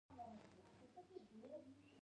د کندهار په غورک کې د سمنټو مواد شته.